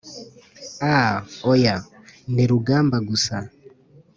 ah, oya! ni rugamba gusa,